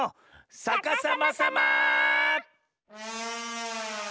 さかさまさま！